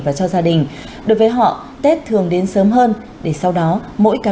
và cho gia đình đối với họ tết thường đến sớm hơn để sau đó có thể có một ngày tốt hơn